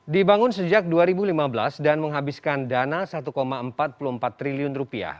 dibangun sejak dua ribu lima belas dan menghabiskan dana rp satu empat puluh empat triliun